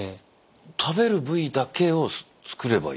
食べる部位だけを作ればいい。